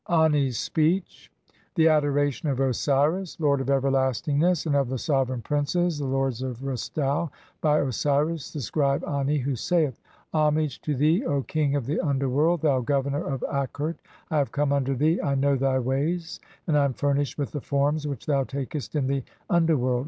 Ani's Speech :— IV. (1) The adoration of Osiris, lord of everlasting NESS, AND OF THE SOVEREIGN PRINCES, THE LORDS OF RE stau, by Osiris, [the scribe Ani], (2) who saith :■— "Homage to thee, O king of the underworld, thou governor "of Akert, I have come unto thee. I know thy ways, (3) and "I am furnished with the forms which thou takest in the under "world.